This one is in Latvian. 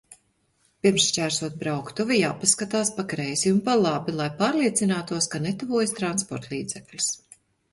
Pirms šķērsot brauktuvi, jāpaskatās pa kreisi un pa labi, lai pārliecinātos, ka netuvojas transportlīdzeklis